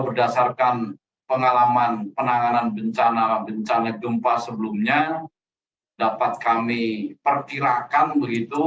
berdasarkan pengalaman penanganan bencana bencana gempa sebelumnya dapat kami perkirakan begitu